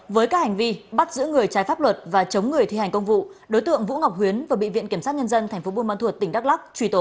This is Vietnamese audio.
với các hành vi bắt giữ người trái pháp luật và chống người thi hành công vụ đối tượng vũ ngọc huyến và bệnh viện kiểm sát nhân dân tp bùn mân thuột tỉnh đắk lắc truy tố